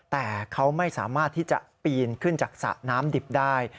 แต่เขาไม่สามารถที่จะปีนขึ้นจากสระน้ำดิบได้